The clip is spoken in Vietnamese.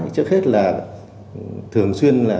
trước hết là thường xuyên